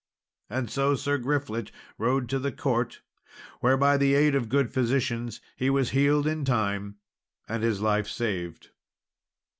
And so Sir Griflet rode to the court, where, by aid of good physicians, he was healed in time and his life saved.